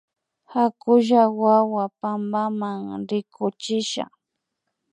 Hakulla hawa pampama rikuchisha